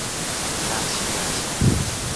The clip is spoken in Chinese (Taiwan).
一大氣壓下